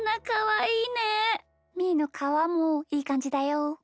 みーのかわもいいかんじだよ！